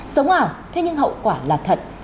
sống ảo thế nhưng hậu quả là thật